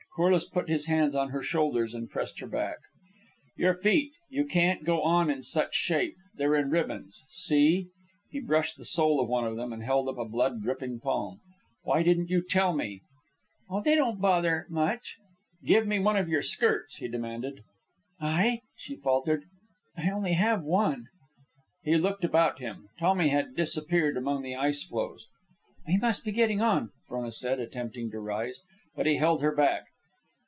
Corliss put his hands on her shoulders and pressed her back. "Your feet. You can't go on in such shape. They're in ribbons. See!" He brushed the sole of one of them and held up a blood dripping palm. "Why didn't you tell me?" "Oh, they didn't bother much." "Give me one of your skirts," he demanded. "I ..." She faltered. "I only have one." He looked about him. Tommy had disappeared among the ice floes. "We must be getting on," Frona said, attempting to rise. But he held her back.